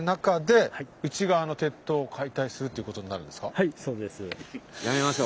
じゃはいそうです。